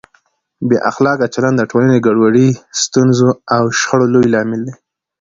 بې اخلاقه چلند د ټولنې ګډوډۍ، ستونزو او شخړو لوی لامل دی.